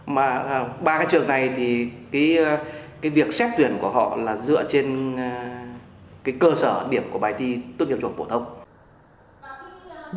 mà ba cái trường này thì cái việc xét tuyển của họ là dựa trên cái cơ sở điểm của bài thi tốt nghiệp trung học phổ thông